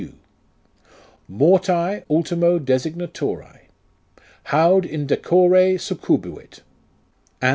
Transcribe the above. Morti, (ultimo designator!) Haud indecore succubuit Ann.